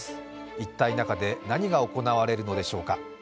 一体、中で何が行われるのでしょうか？